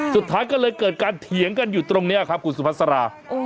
สุดท้ายก็เลยเกิดการเถียงกันอยู่ตรงนี้ครับคุณสุภาษา